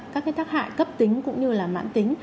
các cái tác hại cấp tính cũng như là mãn tính